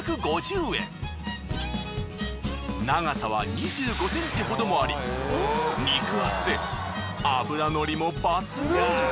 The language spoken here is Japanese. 長さは２５センチほどもあり肉厚で脂のりも抜群！